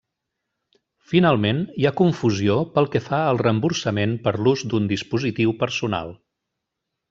Finalment, hi ha confusió pel que fa al reemborsament per l'ús d'un dispositiu personal.